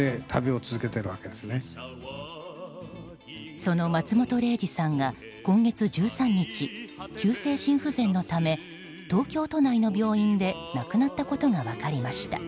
その松本零士さんが今月１３日急性心不全のため東京都内の病院で亡くなったことが分かりました。